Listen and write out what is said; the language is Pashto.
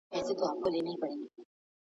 د دې څېړونکي کار تر نورو ښه دی.